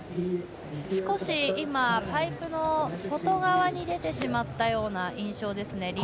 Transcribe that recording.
少し今、パイプの外側に出てしまったような印象ですね。